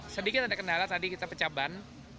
sedikit ada kendala tadi kita pecah ban